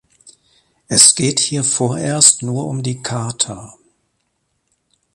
Es geht hier vorerst nur um die Charta.